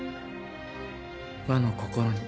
和の心に。